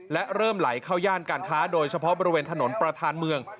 และเริ่มไหลเข้าย่านการค้าโดยเฉพาะบริเวณถนนประธานเมือง